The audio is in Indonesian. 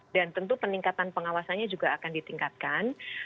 dan tentu peningkatan pengawasannya juga akan ditingkatkan